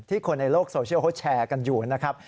คนในโลกโซเชียลเขาแชร์กันอยู่นะครับ